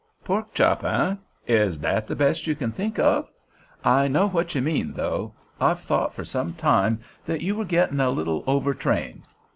"Pork chop, eh? Is that the best you can think of? I know what you mean, though. I've thought for some time that you were getting a little overtrained.